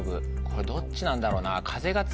これどっちなんだろうな。